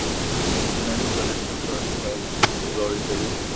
انلاين همکاري ټيم کار پياوړی کوي.